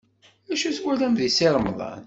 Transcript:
Acu i twalam deg Si Remḍan?